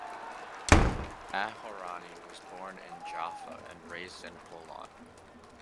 Aharoni was born in Jaffa and raised in Holon.